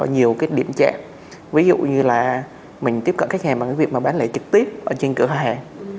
nhiều cái điểm chạm ví dụ như là mình tiếp cận khách hàng bằng cái việc mà bán lễ trực tiếp ở trên cửa hàng